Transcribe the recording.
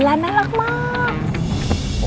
เวลาน่ารักมาก